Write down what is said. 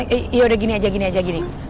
eh eh yaudah gini aja gini aja gini